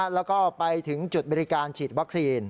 แล้วก็ไปถึงจุดบริการฉีดวัคซีน